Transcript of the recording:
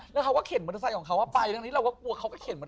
ที่ไหนตรงไหนตรงไหน